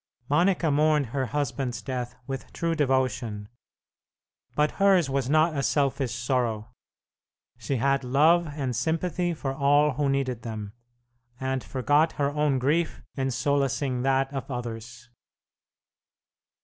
Monica mourned her husband's death with true devotion; but hers was not a selfish sorrow. She had love and sympathy for all who needed them, and forgot her own grief in solacing that of others.